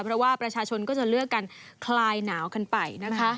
เพราะว่าประชาชนก็จะเลือกกันคลายหนาวกันไปนะคะ